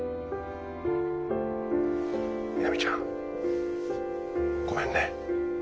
みなみちゃんごめんね。